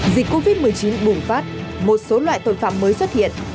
dịch covid một mươi chín bùng phát một số loại tội phạm mới xuất hiện